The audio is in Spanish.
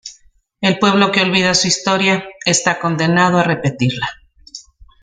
El pueblo que olvida su Historia está condenado a repetirla